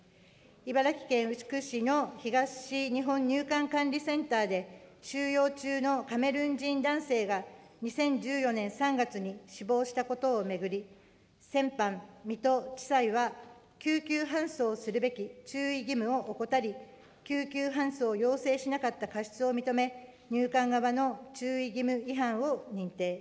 茨城県牛久市の東日本入管管理センターで、収容中のカメルーン人男性が、２０１４年３月に死亡したことを巡り、先般、水戸地裁は、救急搬送するべき注意義務を怠り、救急搬送を要請しなかった過失を認め、入管側の注意義務違反を認定。